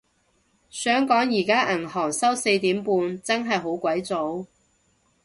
想講而家銀行收四點半，真係好鬼早